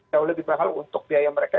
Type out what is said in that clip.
jauh lebih mahal untuk biaya mereka